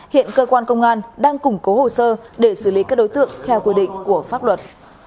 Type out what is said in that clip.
hiện cơ quan công an đang củng cố hồ sơ để xử lý các đối tượng theo quy định của pháp luật